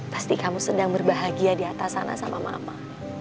pasti kamu sedang berbahagia di atas sana sama mama